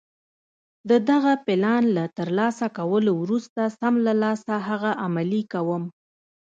د دغه پلان له ترلاسه کولو وروسته سم له لاسه هغه عملي کوم.